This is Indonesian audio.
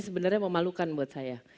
sebenarnya memalukan buat saya